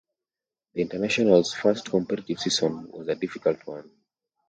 The Internationals' first competitive season was a difficult one.